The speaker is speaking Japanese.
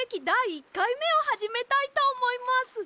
１かいめをはじめたいとおもいます。